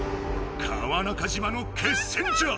川中島の決戦じゃ！